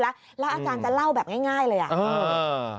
อะไรอาจารย์จะเล่าง่ายเลย